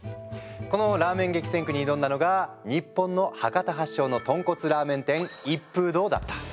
このラーメン激戦区に挑んだのが日本の博多発祥の豚骨ラーメン店「一風堂」だった。